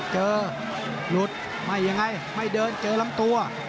เจอหลุดไม่ยังไงไม่เดินเจอลำตัว